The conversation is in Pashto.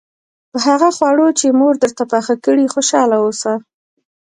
په هغه خواړو چې مور درته پاخه کړي خوشاله اوسه.